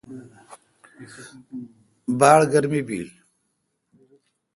باڑ گرمی بیل۔